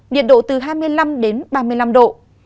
nhiệt độ từ hai mươi năm đến ba mươi năm độ